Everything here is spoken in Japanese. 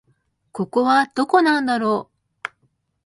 ここはどこなんだろう